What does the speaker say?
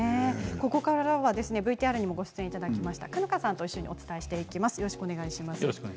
ここからはＶＴＲにもご出演いただきました嘉糠さんと一緒にお伝えしていきます。